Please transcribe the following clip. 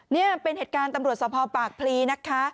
นี่เป็นเหตุการณ์ตำรวจสภปากพลีนะคะ